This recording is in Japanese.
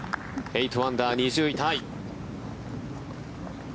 ８アンダー、２０位タイ。